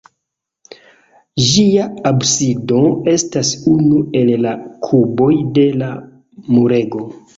Ĝia absido estas unu el la kuboj de la murego.